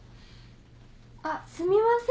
あっすみません。